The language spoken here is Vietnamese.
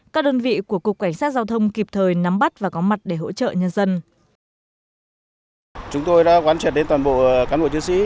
các đơn vị của cục cảnh sát giao thông kịp thời nắm bắt và có mặt để hỗ trợ nhân dân